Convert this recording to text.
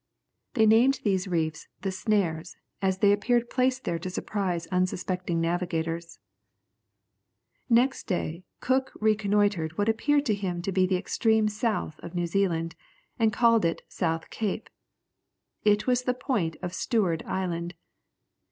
They named these reefs the Snares, as they appeared placed there to surprise unsuspecting navigators. [Illustration: A Fa toka, New Zealand.] Next day, Cook reconnoitred what appeared to him to be the extreme south of New Zealand, and called it South Cape. It was the point of Steward Island.